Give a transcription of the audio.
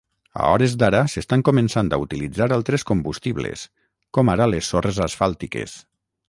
A hores d'ara, s'estan començant a utilitzar altres combustibles, com ara les sorres asfàltiques.